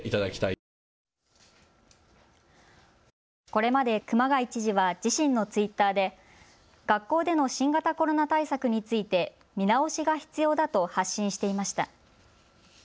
これまで熊谷知事は自身のツイッターで学校での新型コロナ対策について見直しが必要だと発信していました。